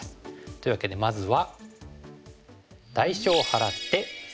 というわけでまずは。